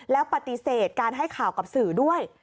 แล้วปฏิเสธการให้ข่าวกับสื่อด้วย